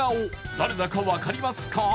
誰だか分かりますか？